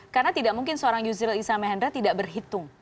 karena tidak mungkin seorang yusil issa mehenra tidak berhitung